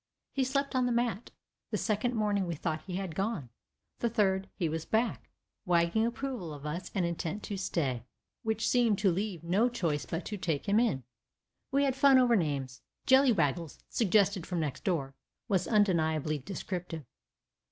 He slept on the mat. The second morning we thought he had gone. The third, he was back, wagging approval of us and intent to stay, which seemed to leave no choice but to take him in. We had fun over names. "Jellywaggles," suggested from next door, was undeniably descriptive.